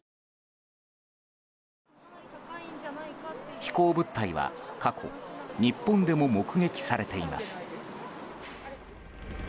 飛行物体は過去日本でも目撃されています。